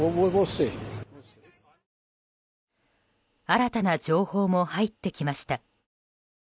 新たな情報も入ってきました。